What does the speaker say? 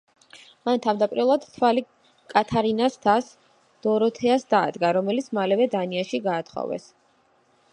მან თავდაპირველად თვალი კათარინას დას, დოროთეას დაადგა, რომელიც მალევე დანიაში გაათხოვეს.